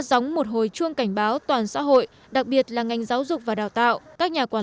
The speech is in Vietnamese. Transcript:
gióng một hồi chuông cảnh báo toàn xã hội đặc biệt là ngành giáo dục và đào tạo các nhà quản